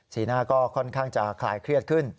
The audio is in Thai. หน้าก็ค่อนข้างจะคลายเครียดขึ้น